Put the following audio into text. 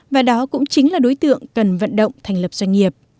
và đó cũng chính là đối tượng cần vận động thành lập doanh nghiệp